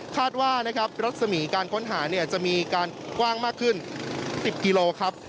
คาดว่านะครับรัศมีการค้นหาเนี่ยจะมีการกว้างมากขึ้น๑๐กิโลครับ